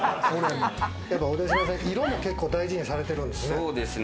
やっぱり小田嶋さん、色も大事にされてるんですね。